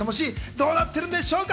どうなってるんでしょうか？